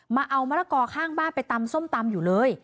มาเอามะละกอข้างบ้านไปตำส้มตำอยู่เลย